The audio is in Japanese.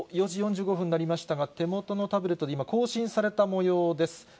４時４５分になりましたが、手元のタブレットが今、更新されたもようです。